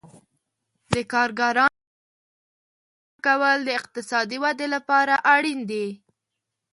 د کارګرانو د ژوند شرایطو ښه کول د اقتصادي ودې لپاره اړین دي.